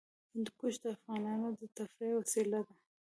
هندوکش د افغانانو د تفریح وسیله ده.